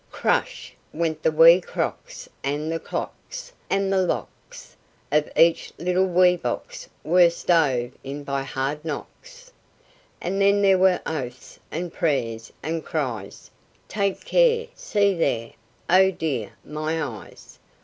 Crash! went the wee crocks and the clocks; and the locks Of each little wee box were stove in by hard knocks; And then there were oaths, and prayers, and cries: "Take care" "See there" "O, dear, my eyes!"